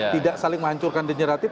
tidak saling menghancurkan degeneratif